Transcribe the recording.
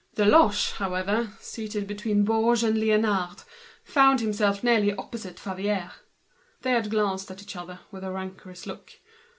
Deloche, however, seated between Baugé and Liénard, found himself nearly opposite Favier. They had glanced at each other with a rancorous look.